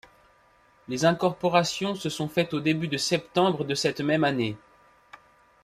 Les incorporations se sont faites au début de septembre de cette même année.